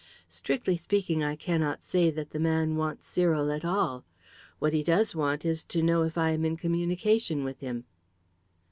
"Strictly speaking, I cannot say that the man wants Cyril at all. What he does want is to know if I am in communication with him."